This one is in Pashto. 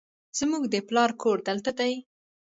زموږ د پلار کور دلته دی